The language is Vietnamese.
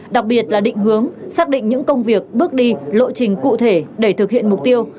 đặc biệt là định hướng xác định những công việc bước đi lộ trình cụ thể để thực hiện mục tiêu